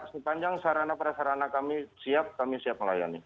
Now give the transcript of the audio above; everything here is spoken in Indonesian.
sepanjang sarana per sarana kami siap kami siap melayani